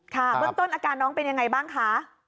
ค่ะเริ่มต้นอาการน้องเป็นยังไงบ้างคะ